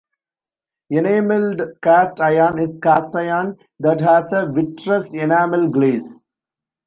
Enameled cast iron is cast iron that has a vitreous enamel glaze.